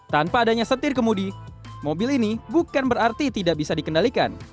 tanpa adanya setir kemudi mobil ini bukan berarti tidak bisa dikendalikan